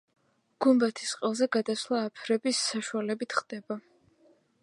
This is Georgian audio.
გუმბათის ყელზე გადასვლა აფრების საშუალებით ხდება.